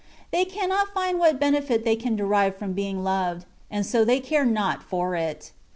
They cannot find what benefit they can derive from being loved, and so they care not for it.